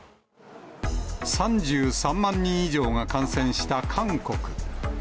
３３万人以上が感染した韓国。